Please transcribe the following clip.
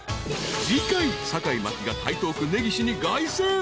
［次回坂井真紀が台東区根岸に凱旋］